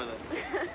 ハハハ。